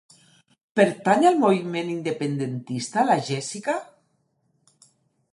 Pertany al moviment independentista la Yesica?